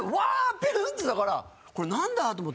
ピューンっていったからこれなんだ？と思って。